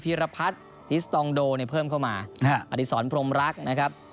ีรพัฒน์ทิสตองโดเนี่ยเพิ่มเข้ามาอธิษรพรมรักนะครับ